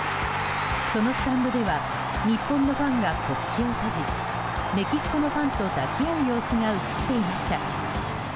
そのスタンドでは日本のファンが国旗を閉じメキシコのファンと抱き合う様子が映っていました。